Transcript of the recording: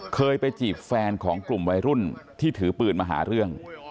เคยไปจีบแฟนของกลุ่มวัยรุ่นที่ถือปืนมาหาเรื่อง